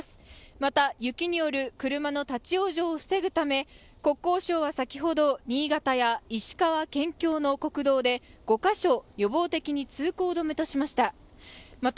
また、雪による車の立往生を防ぐため国交省は先ほど、新潟や石川県境の国道で５か所、予防的に通行止めとしました。